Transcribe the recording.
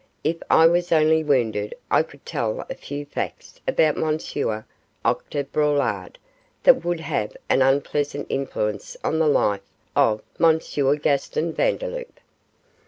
If I was only wounded I could tell a few facts about M. Octave Braulard that would have an unpleasant influence on the life of M. Gaston Vandeloup.